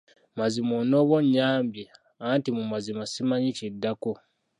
Mazima onooba onyambye anti mu mazima simanyi kiddako.